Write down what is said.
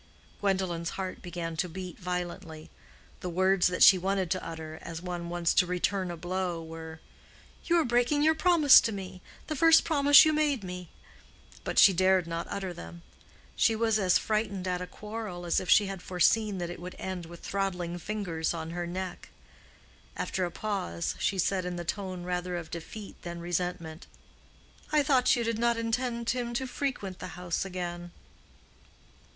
Gwendolen's heart began to beat violently. The words that she wanted to utter, as one wants to return a blow, were. "You are breaking your promise to me—the first promise you made me." But she dared not utter them. She was as frightened at a quarrel as if she had foreseen that it would end with throttling fingers on her neck. After a pause, she said in the tone rather of defeat than resentment, "I thought you did not intend him to frequent the house again."